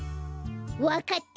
わかった！